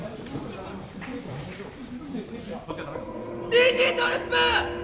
ＤＧトリップ！